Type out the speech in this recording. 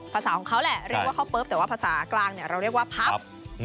ภาษาของเขาแหละเรียกว่าเขาปุ๊บแต่ว่าภาษากลางเนี่ยเราเรียกว่าพับ